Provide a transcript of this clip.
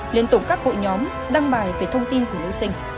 liên tục các hội nhóm đăng bài về thông tin của nữ sinh